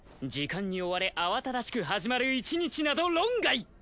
時間に追われ慌ただしく始まる１日など論外！